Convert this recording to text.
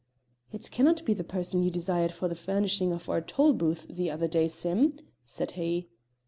"It cannot be the person you desired for the furnishing of our tolbooth the other day, Sim?" said he.